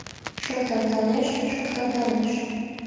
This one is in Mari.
Шокталталеш, шокталталеш